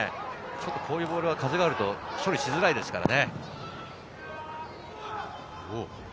こういうボールは風があると処理しづらいですからね。